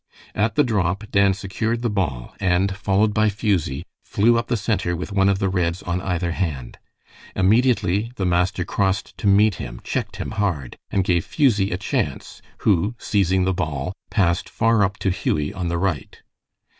At the drop Dan secured the ball, and followed by Fusie, flew up the center with one of the Reds on either hand. Immediately the master crossed to meet him, checked him hard, and gave Fusie a chance, who, seizing the ball, passed far up to Hughie on the right.